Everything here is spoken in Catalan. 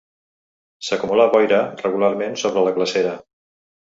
S'acumula boira regularment sobre la glacera.